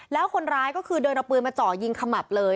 แล้วคนร้ายก็คือเดินเอาปืนมาเจาะยิงขมับเลย